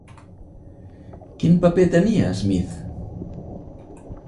Quin paper tenia Smith?